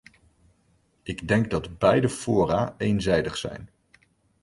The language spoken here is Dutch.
Ik denk dat beide fora eenzijdig zijn.